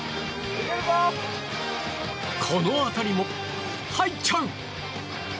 この当たりも、入っちゃう！